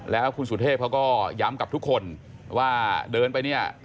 แล้วคุณสุเทพเขาก็ย้ำกับทุกคนว่าเดินไปเนี่ย